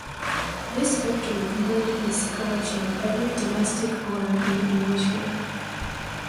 This victory completed his collection of every domestic honour in the English game.